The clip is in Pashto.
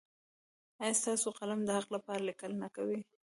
ایا ستاسو قلم د حق لپاره لیکل نه کوي؟